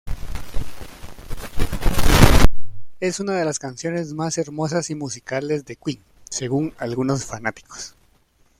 Es una de las canciones más hermosas y musicales de Queen, según algunos fanáticos.